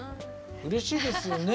うれしいですよね。